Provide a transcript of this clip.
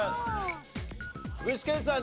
具志堅さん